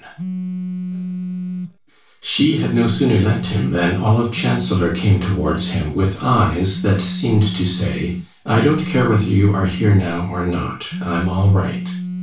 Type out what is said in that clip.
VII She had no sooner left him than Olive Chancellor came towards him with eyes that seemed to say, "I don't care whether you are here now or not I'm all right!"